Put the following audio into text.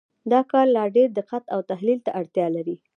دا کار لا ډېر دقت او تحلیل ته اړتیا لري.